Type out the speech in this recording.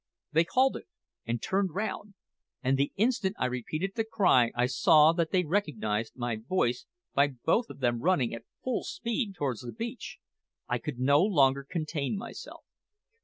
They halted and turned round, and the instant I repeated the cry I saw that they recognised my voice by both of them running at full speed towards the beach. I could no longer contain myself.